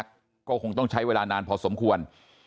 ก็คงต้องใช้เวลานานพอสมควร